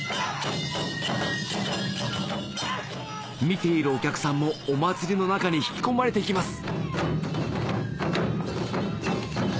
見ているお客さんもお祭りの中に引き込まれていきます